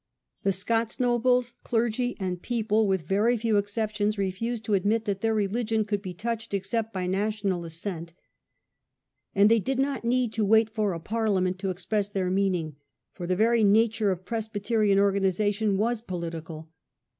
The Scots nobles, clergy, and people, with THE COVENANT. 29 very few exceptions, refused to admit that their religion could be touched except by national assent. And they did not need to wait for a Parliament to covenant and express their meaning, for the very nature Assembly, of Presbyterian organization was political.